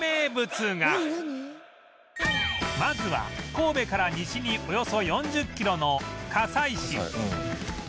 まずは神戸から西におよそ４０キロの加西市